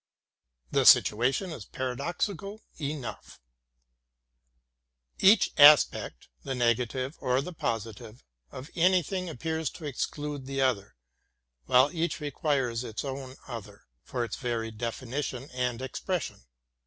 The situation is paradoxical enough: Each aspect — the negative or the positive — of anything appears to exclude the other, while each requires its own other for its very definition and expression.